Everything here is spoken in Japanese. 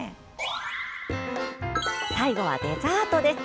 最後はデザートです。